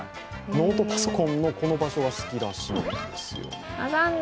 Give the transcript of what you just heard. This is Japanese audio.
ノートパソコンのこの場所が好きらしいんです。